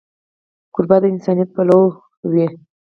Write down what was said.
کوربه د انسانیت پلوی وي.